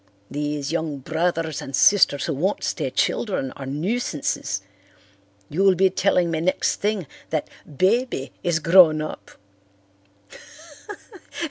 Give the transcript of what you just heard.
These young brothers and sisters who won't stay children are nuisances. You'll be telling me next thing that 'Baby' is grown up."